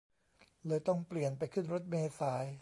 เลยต้องเปลี่ยนไปขึ้นรถเมล์สาย